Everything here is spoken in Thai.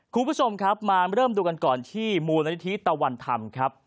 คุณผู้ชมครับมาเริ่มดูกันก่อนที่มูลนิธิตะวันธรรมครับ